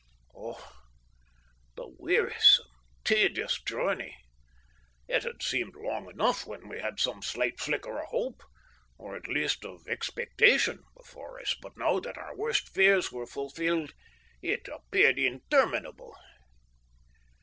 Oh, the wearisome, tedious journey! It had seemed long enough when we had some slight flicker of hope, or at least of expectation, before us, but now that our worst fears were fulfilled it appeared interminable.